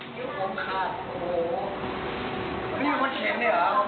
มีคนเข็นได้หรอ